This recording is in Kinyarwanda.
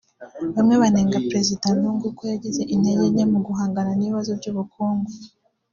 Bamwe banenga Perezida Lungu ko yagize intege nke mu guhangana n’ibibazo by’ubukungu